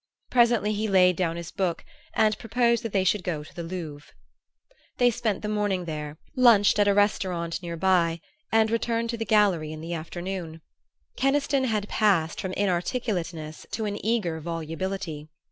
Presently he laid down his book and proposed that they should go to the Louvre. They spent the morning there, lunched at a restaurant near by, and returned to the gallery in the afternoon. Keniston had passed from inarticulateness to an eager volubility.